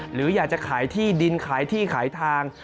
หรืออยากจะขายที่ดินขายที่ขายทาง